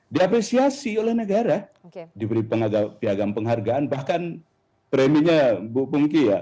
diapresiasi oleh negara diberi piagam penghargaan bahkan preminya bu pungki ya